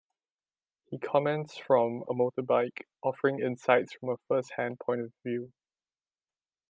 He comments from a motorbike, offering insights from a first-hand point of view.